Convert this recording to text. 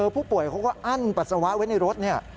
ผู้ป่วยเขาก็อั้นปัสสาวะไว้ในรถเนี่ย